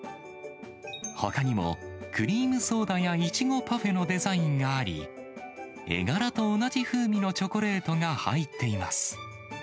ほかにもクリームソーダやイチゴパフェのデザインがあり、絵柄と同じ風味のチョコレートが入っています。